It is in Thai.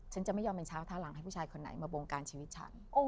ฉันจะไม่ยอมเป็นเช้าท่าหลังให้ผู้ชายคนไหนมาบงการชีวิตฉัน